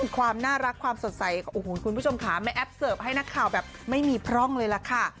ความน่ารักความสดใสโอ้โหคุณผู้ชมค่ะแม่แอปเสิร์ฟให้นักข่าวแบบไม่มีพร่องเลยล่ะค่ะ